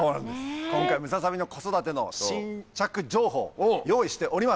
今回ムササビの子育ての新着情報用意しております。